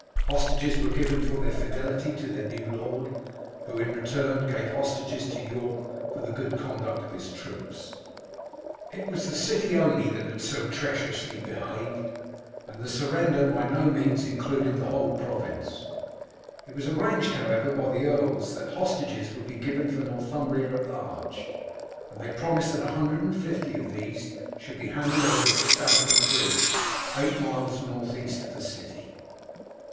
Hostages were given for their fidelity to their new lord, who in return gave hostages to York for the good conduct of his troops. It was the city only that had so treacherously behaved, and the surrender by no means included the whole province. It was arranged, however, by the earls, that hostages should be given for Northumbria at large, and they promised that a hundred and fifty of these should be handed over at Stamford Bridge, eight miles north east of the city.